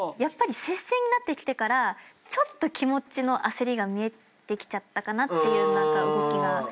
接戦になってきてからちょっと気持ちの焦りが見えてきちゃったかなって動きが。